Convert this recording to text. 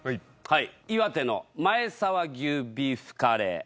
はい岩手の前沢牛ビーフカレー